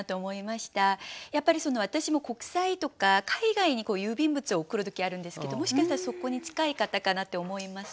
やっぱり私も国際とか海外に郵便物を送る時あるんですけどもしかしたらそこに近い方かなって思います。